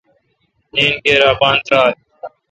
نین کیر اپان تیرال۔